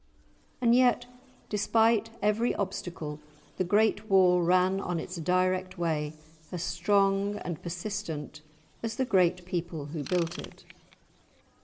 And yet, despite every obstacle, the great wall ran on its direct way, as strong and persistent as the great people who built it.